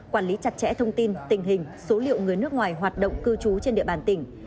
quản lý chặt chẽ thông tin tình hình số liệu người nước ngoài hoạt động cư trú trên địa bàn tỉnh